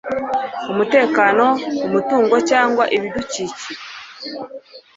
umutekano umutungo cyangwa ibidukiki